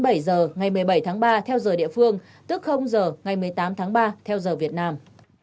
tức là h ngày một mươi bảy tháng ba theo giờ địa phương tức h ngày một mươi tám tháng ba theo giờ việt nam